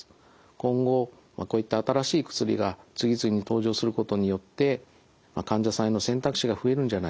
今後こういった新しい薬が次々に登場することによって患者さんへの選択肢が増えるんじゃないかなと期待しています。